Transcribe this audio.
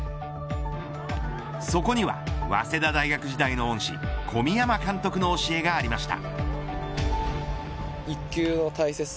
そこには早稲田大学時代の恩師小宮山監督の教えがありました。